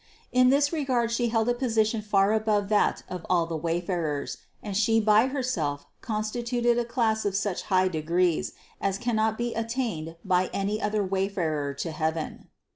In this regard She held a position far above that of all the wayfarers and She by Herself constituted a class of such high degrees, as cannot be attained by any other wayfarer to heaven.